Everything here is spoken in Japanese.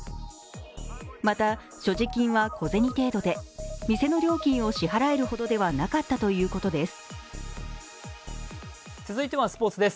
また、所持金は小銭程度で店の料金を支払えるほどではなかったということです。